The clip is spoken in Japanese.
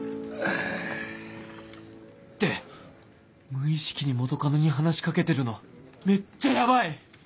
無意識に元カノに話しかけてるのめっちゃヤバい！